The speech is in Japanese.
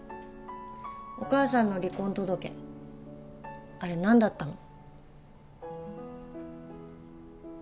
お母さんの離婚届あれ何だったの？